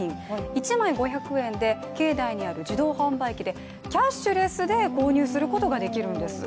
１枚５００円で境内にある自動販売機でキャッシュレスで購入することが出来るんです